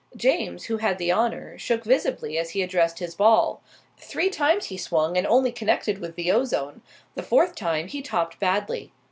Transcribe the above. James, who had the honour, shook visibly as he addressed his ball. Three times he swung and only connected with the ozone; the fourth time he topped badly.